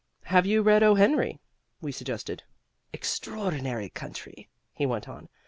"Have you read O. Henry?" we suggested. "Extraordinary country," he went on.